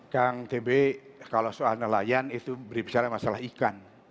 kang tb kalau soal nelayan itu berbicara masalah ikan